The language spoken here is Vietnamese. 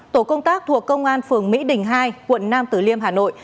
tổ công tác thuộc công an phường mỹ đình hai quận nam tử liêm hà nội